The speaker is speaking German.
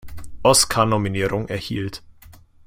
Oscar-Nominierung erhielt.